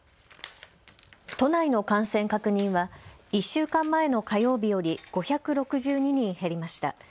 都内の感染確認は１週間前の火曜日より５６２人減りました。